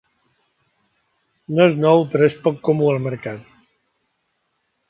No és nou, però és poc comú al mercat.